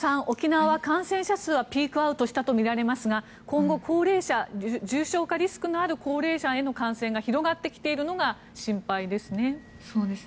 沖縄は感染者数はピークアウトしたとみられますが今後、高齢者重症化リスクのある高齢者への感染が広がってきているのが心配ですね。